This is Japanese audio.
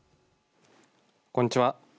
こんにちは。